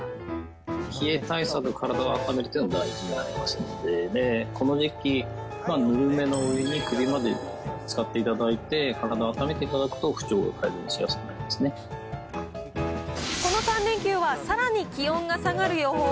冷え対策、体を温めるというのが大事になりますので、この時期、ぬるめのお湯に首までつかっていただいて、体を温めていただくと、この３連休はさらに気温が下がる予報。